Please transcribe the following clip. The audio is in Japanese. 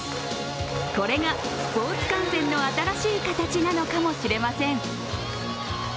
これがスポーツ観戦の新しい形なのかもしれません。